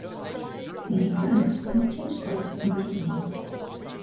The main birds have changed color over the years.